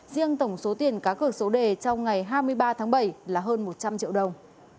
riêng tổng số tiền cá cược số đề trong ngày hai mươi ba tháng bảy là hơn một trăm linh triệu đồng